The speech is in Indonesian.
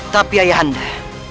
tapi ayah anda